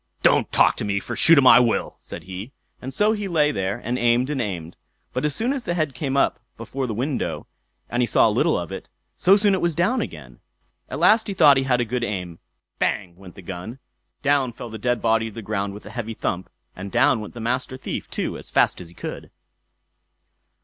"Don't talk to me, for shoot him I will", said he; and so he lay there and aimed and aimed; but as soon as the head came up before the window, and he saw a little of it, so soon was it down again. At last he thought he had a good aim; "bang" went the gun, down fell the dead body to the ground with a heavy thump, and down went the Master Thief too as fast as he could.